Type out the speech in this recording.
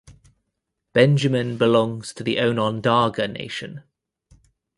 Benjamin belongs to the Onondaga Nation.